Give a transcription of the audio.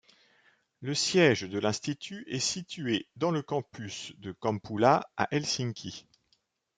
Le siège de l'institut est situé dans le Campus de Kumpula à Helsinki.